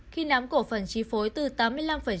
khi nắm cổ phần tri phối từ tám mươi năm đến chín mươi một năm